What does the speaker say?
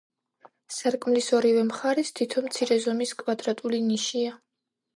სარკმლის ორივე მხარეს თითო მცირე ზომის კვადრატული ნიშია.